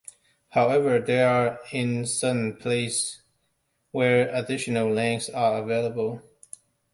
However, there are in certain places where additional lanes are available.